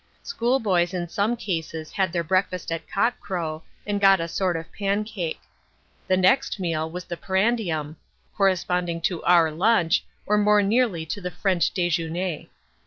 School boys in some cases had their breakfast at cock crow, and g»>t a sort of pancake. The next meal was the prandiun, corresponding to our lunch, or more nearly to the French dejeuner.